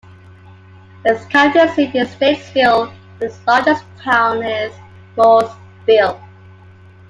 Its county seat is Statesville, and its largest town is Mooresville.